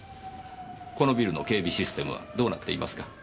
このビルの警備システムはどうなっていますか？